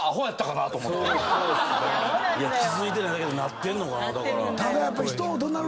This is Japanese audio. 気付いてないだけでなってんのかな？